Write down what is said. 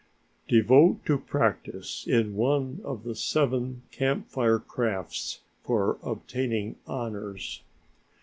Devote to practice in one of the seven Camp Fire crafts for obtaining honors.